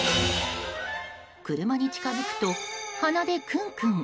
車に近づくと、鼻でクンクン。